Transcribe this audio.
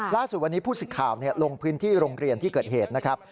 ล่าสุดวันนี้ผู้สิทธิ์ข่าวลงพื้นที่โรงเรียนที่เกิดเหตุนะครับ